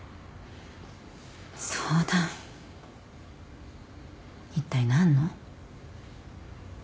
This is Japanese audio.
相談いったい何の？